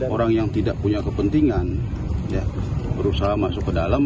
orang yang tidak punya kepentingan berusaha masuk ke dalam